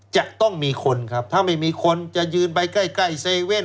จะต้องมีคนครับถ้าไม่มีคนจะยืนไปใกล้เซเว่น